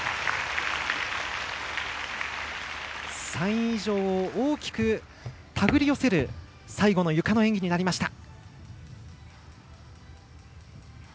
３位以上を大きく手繰り寄せる最後のゆかの演技になりました。